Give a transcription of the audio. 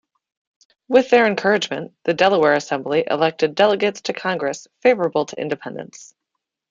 With their encouragement, the Delaware Assembly elected delegates to Congress favorable to independence.